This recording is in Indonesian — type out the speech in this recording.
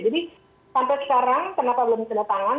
jadi sampai sekarang kenapa belum tanda tangan